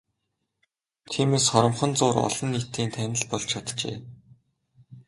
Тиймээс хоромхон зуур олон нийтийн танил болж чаджээ.